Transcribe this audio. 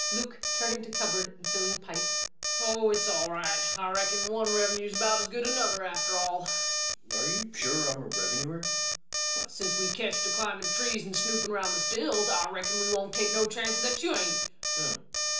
LUKE. [Turning to cupboard and filling pipe.] Oh, it's all right. I reckon one Revenue's about as good as another, after all. REVENUE. Are you sure I'm a revenue officer? LUKE. [Rising.] Well, since we ketched ye climin' trees an' snoopin' round the stills, I reckon we won't take no chances that you hain't.